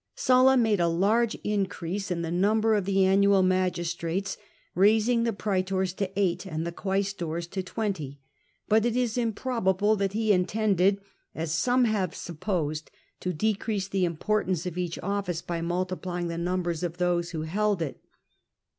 Sulla made a large increase in the number of the annual magistrates, raising the praetors to eight and the quaestors to twenty; but it is improbable that he in tended, as some have supposed, to decrease the import ance of each ofBce by multiplying the numbers of those who held it.